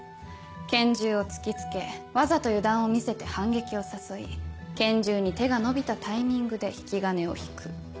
拳銃を突きつけわざと油断を見せて反撃を誘い拳銃に手が伸びたタイミングで引き金を引く。